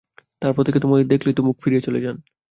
তার পর থেকে তোমাকে দেখলেই তো মুখ ফিরিয়ে চলে যান।